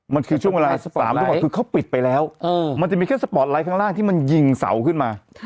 มันคือช่วงเวลา๓ทุ่มคือเขาปิดไปแล้วมันจะมีแค่สปอร์ตไลท์ข้างล่างที่มันยิงเสาขึ้นมา